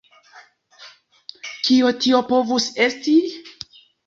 Kio tio povus esti?